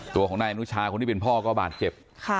ตัวของนายอนุชาคนที่เป็นพ่อก็บาดเจ็บ